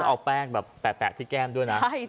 จะเอาแปลกแปลกที่แก้มด้วยนะ